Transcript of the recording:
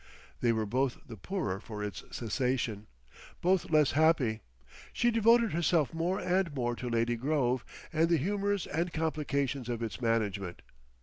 They were both the poorer for its cessation, both less happy. She devoted herself more and more to Lady Grove and the humours and complications of its management.